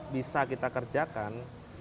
bisa kita kerjakan